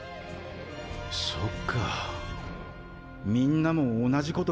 そっかみんなも同じこと考えてたか。